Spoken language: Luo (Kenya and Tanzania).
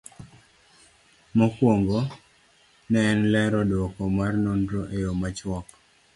Mokwongo, ne en lero duoko mar nonro e yo machuok